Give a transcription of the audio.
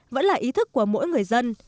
vẫn là ý thức của mỗi người dân